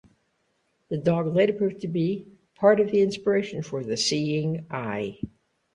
The dog later proved to be part of the inspiration for The Seeing Eye.